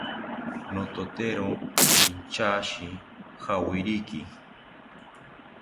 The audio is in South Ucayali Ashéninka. Nototero inchashi jawiriki